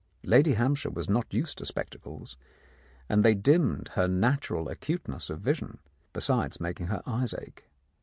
" Lady Hampshire was not used to spectacles, and they dimmed her natural acuteness of vision, besides making her eyes ache.